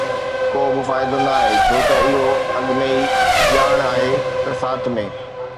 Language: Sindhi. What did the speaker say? ڪو به فائدو نه آهي ڇو ته اهو اڳ ۾ ئي ڄاڻ آهي ته ساٿ ۾